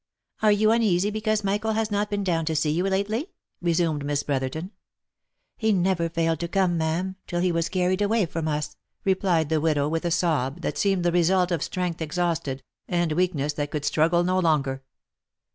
«' Are you uneasy because Michael has not been down to see you lately ?" resumed Miss Brotherton. " He never failed to come, ma'am, till he was carried away from us !" replied the widow, with a sob, that seemed the result of strength ex hausted, and weakness that could struggle no longer.